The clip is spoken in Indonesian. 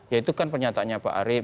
ya itu kan pernyataannya pak arief